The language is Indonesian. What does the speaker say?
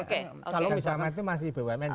kalau misalnya itu masih bumn